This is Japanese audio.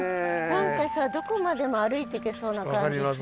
何かさどこまでも歩いていけそうな感じする。